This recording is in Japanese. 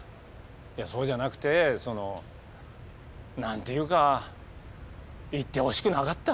いやそうじゃなくてその何ていうか言ってほしくなかった。